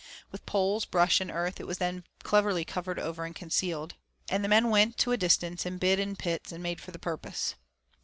With poles, brush, and earth it was then cleverly covered over and concealed. And the men went to a distance and hid in pits made for the purpose.